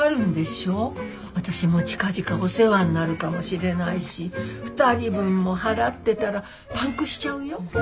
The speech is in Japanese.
私も近々お世話になるかもしれないし２人分も払ってたらパンクしちゃうよ。